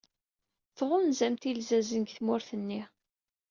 Tɣunzamt ilzazen seg tmurt-nni.